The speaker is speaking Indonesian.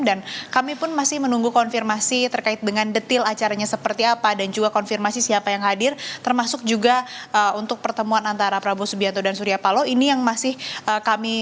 dan kami pun masih menunggu konfirmasi